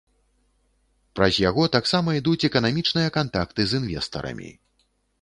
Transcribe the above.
Праз яго таксама ідуць эканамічныя кантакты з інвестарамі.